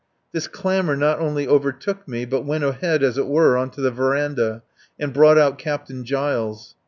This clamour not only overtook me, but went ahead as it were on to the verandah and brought out Captain Giles.